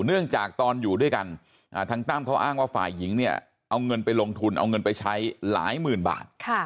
เนื่องจากตอนอยู่ด้วยกันทางตั้มเขาอ้างว่าฝ่ายหญิงเนี่ยเอาเงินไปลงทุนเอาเงินไปใช้หลายหมื่นบาท